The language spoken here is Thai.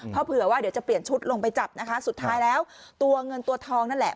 เพราะเผื่อว่าเดี๋ยวจะเปลี่ยนชุดลงไปจับนะคะสุดท้ายแล้วตัวเงินตัวทองนั่นแหละ